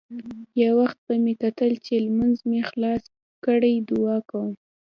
يو وخت به مې کتل چې لمونځ مې خلاص کړى دعا کوم.